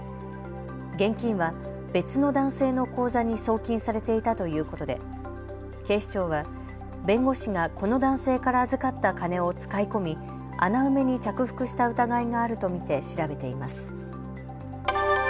現金は別の男性の口座に送金されていたということで警視庁は弁護士がこの男性から預かった金を使い込み、穴埋めに着服した疑いがあると見て調べています。